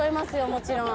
もちろん。